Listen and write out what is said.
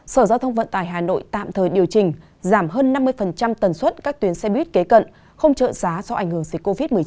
sở giao thông vận tải hà nội tạm thời điều chỉnh giảm hơn năm mươi tần suất các tuyến xe buýt kế cận không trợ giá do ảnh hưởng dịch covid một mươi chín